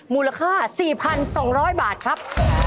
มูลค่า๔๒๐๐บาทครับ